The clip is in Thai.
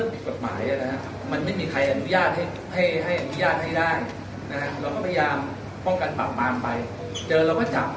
พิญญาณให้ได้นะฮะเราก็พยายามป้องกันปากปามไปเจอแล้วก็จับ